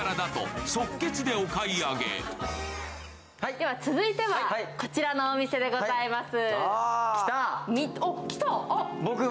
では続いては、こちらのお店でございます。